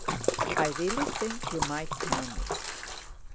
"I really think you might tell me."